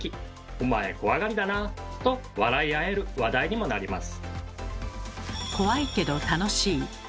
「お前怖がりだな」と笑い合える話題にもなります。